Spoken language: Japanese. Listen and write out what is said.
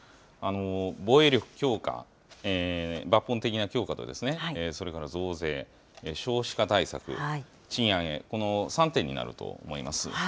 防衛力強化、抜本的な強化と、それから増税、少子化対策、賃上げ、この３点になると思います。